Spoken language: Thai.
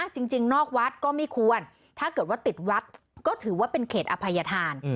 นอกวัดก็ไม่ควรถ้าเกิดว่าติดวัดก็ถือว่าเป็นเขตอภัยธาน